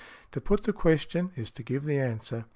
To put the question is to give the answer.